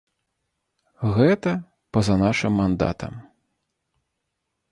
Гэта па-за нашым мандатам.